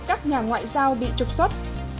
các nhà ngoại giao bị trục xuất